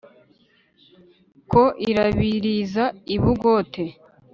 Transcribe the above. ko irabiriza i bugote